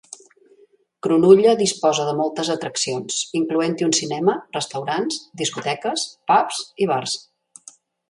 Cronulla disposa de moltes atraccions, incloent-hi un cinema, restaurants, discoteques, pubs i bars.